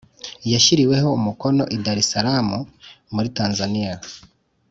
yashyiriweho umukono i Dar es Salaam muri tanzaniya